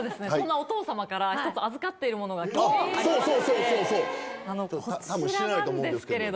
そんなお父様から、１つ預かっているものがありまして。